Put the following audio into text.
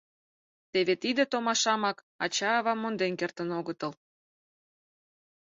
Теве тиде томашамак ача-ава монден кертын огытыл.